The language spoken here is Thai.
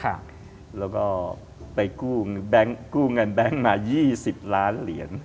แล้วก็ไปกู้เงินแบงค์มา๒๐ล้านเหรียญ